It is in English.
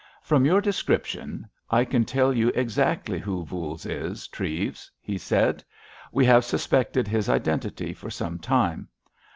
From your description, I can tell you exactly who Voules is, Treves," he said. "We have suspected his identity for some time.